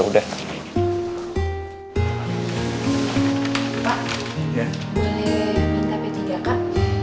boleh minta peti dia kak